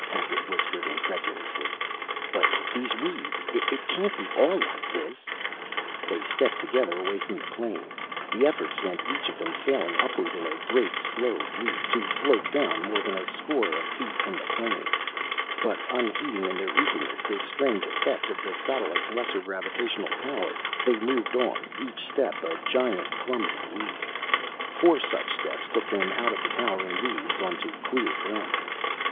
Hackett whispered, incredulously. "But these reeds it can't all be like this " They stepped together away from the plane. The effort sent each of them sailing upward in a great, slow leap, to float down more than a score of feet from the plane. But unheeding in their eagerness this strange effect of the satellite's lesser gravitational power, they moved on, each step a giant, clumsy leap. Four such steps took them out of the towering reeds onto clear ground.